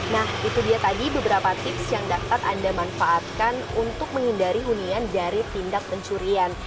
nah itu dia tadi beberapa tips yang dapat anda manfaatkan untuk menghindari hunian dari tindak pencurian